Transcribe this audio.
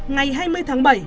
ngày hai mươi tháng bảy